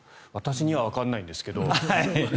私にはわからないんですけど。